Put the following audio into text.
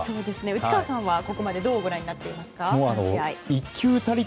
内川さんは、ここまでどうご覧になっていますか３試合。